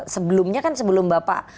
sebelumnya kan sebelum bapak